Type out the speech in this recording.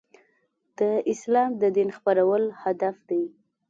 د اسلام د دین خپرول هدف دی.